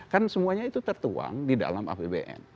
kan semuanya itu tertuang di dalam apbn